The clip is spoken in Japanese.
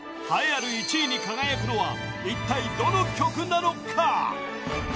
栄えある１位に輝くのは一体どの曲なのか？